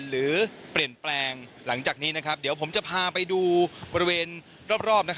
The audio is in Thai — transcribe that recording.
หรือเปลี่ยนแปลงหลังจากนี้เดี๋ยวผมจะพาไปดูบริเวณรอบ